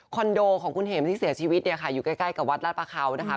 โดของคุณเห็มที่เสียชีวิตเนี่ยค่ะอยู่ใกล้กับวัดราชประเขานะคะ